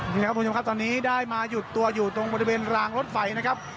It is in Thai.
นี่ครับคุณผู้ชมครับตอนนี้ได้มาหยุดตัวอยู่ตรงบริเวณรางรถไฟนะครับ